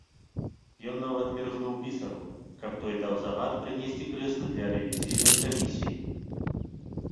Ён нават міргнуў пісару, каб той даў загад прынесці крэслы для рэвізійнай камісіі.